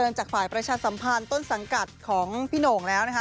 จากฝ่ายประชาสัมพันธ์ต้นสังกัดของพี่โหน่งแล้วนะคะ